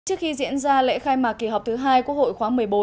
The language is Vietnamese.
trước khi diễn ra lễ khai mạc kỳ họp thứ hai quốc hội khóa một mươi bốn